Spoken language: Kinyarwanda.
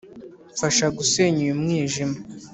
mfasha gusenya uyu mwijima,